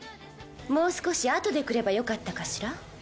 もう少しあとで来ればよかったかしら？